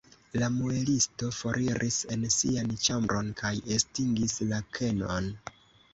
La muelisto foriris en sian ĉambron kaj estingis la kenon.